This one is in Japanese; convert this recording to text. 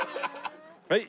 はい！